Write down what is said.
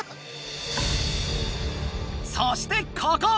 そしてここ！